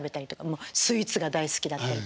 もうスイーツが大好きだったりとか。